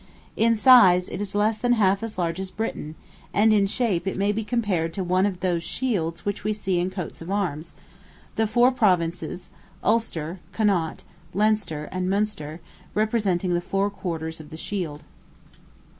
In size it is less than half as large as Britain, and in shape it may be compared to one of those shields which we see in coats of arms, the four Provinces—Ulster, Connaught, Leinster, and Munster—representing the four quarters of the shield.